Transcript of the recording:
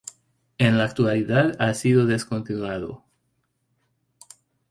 En la actualidad, ha sido descontinuado.